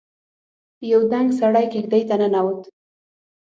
يو دنګ سړی کېږدۍ ته ننوت.